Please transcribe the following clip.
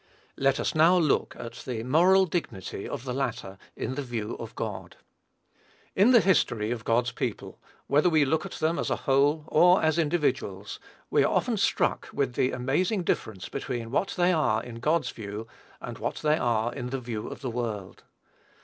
Let us now look at the moral dignity of the latter, in the view of God. In the history of God's people, whether we look at them as a whole, or as individuals, we are often struck with the amazing difference between what they are in God's view, and what they are in the view of the world.